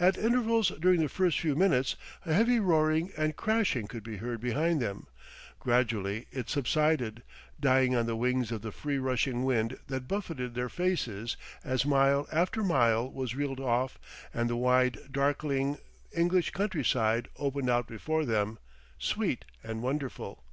At intervals during the first few minutes a heavy roaring and crashing could be heard behind them; gradually it subsided, dying on the wings of the free rushing wind that buffeted their faces as mile after mile was reeled off and the wide, darkling English countryside opened out before them, sweet and wonderful.